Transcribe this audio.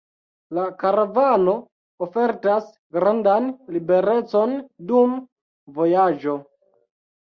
La karavano ofertas grandan liberecon dum vojaĝo.